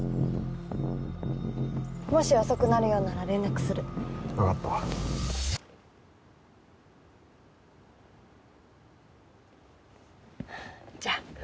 「もし遅くなるようなら連絡する」「わかった」「じゃあ」